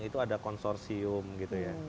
itu ada konsorsium gitu ya